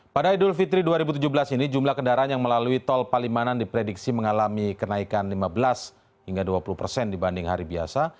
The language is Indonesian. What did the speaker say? pada idul fitri dua ribu tujuh belas ini jumlah kendaraan yang melalui tol palimanan diprediksi mengalami kenaikan lima belas hingga dua puluh persen dibanding hari biasa